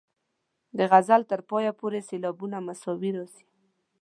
د غزل تر پایه پورې سېلابونه مساوي راځي.